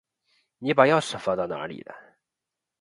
你把钥匙放到哪里了？